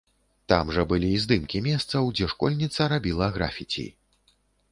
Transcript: Там жа былі і здымкі месцаў, дзе школьніца рабіла графіці.